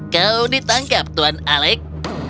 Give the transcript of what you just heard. kau ditangkap tuan alec